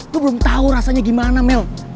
lo belum tau rasanya gimana mel